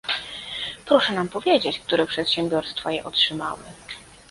Proszę nam powiedzieć, które przedsiębiorstwa je otrzymały